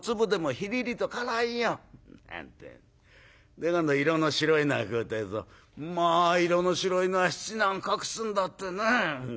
で今度色の白いのが来るってえと「まあ色の白いのは七難隠すんだってね」。